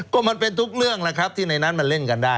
ก็มันเป็นทุกเรื่องแหละครับที่ในนั้นมันเล่นกันได้